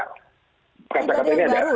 tidak ada yang baru